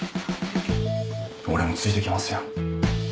俺もついていきますよ。